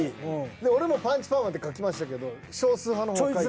俺も「パンチパーマ」って書きましたけど少数派の方書いて。